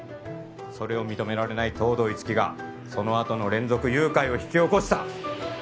それを認められない東堂樹生がそのあとの連続誘拐を引き起こした！